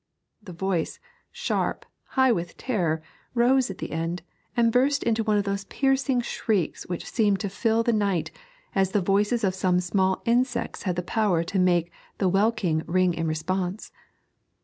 The voice, sharp, high with terror, rose at the end, and burst into one of those piercing shrieks which seemed to fill the night, as the voices of some small insects have the power to make the welkin ring in response.